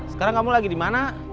sekarang kamu lagi di mana